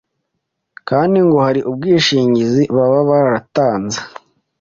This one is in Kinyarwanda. kandi ngo hari ubwishingizi baba baratanze